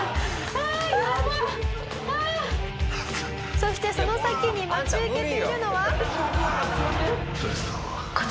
「そしてその先に待ち受けているのは」